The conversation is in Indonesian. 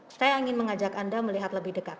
saya ingin mengajak anda melihat lebih dekat